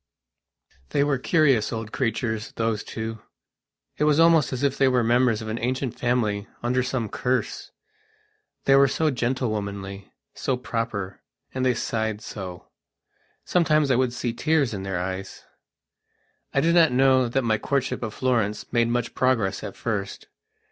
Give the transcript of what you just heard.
They were curious old creatures, those two. It was almost as if they were members of an ancient family under some cursethey were so gentlewomanly, so proper, and they sighed so. Sometimes I would see tears in their eyes. I do not know that my courtship of Florence made much progress at first.